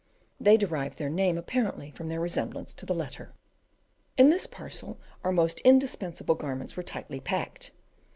they derive their name apparently from their resemblance to the letter. In this parcel our most indispensable garments were tightly packed.